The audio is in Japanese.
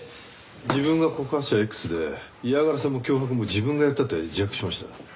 自分が告発者Ｘで嫌がらせも脅迫も自分がやったって自白しました。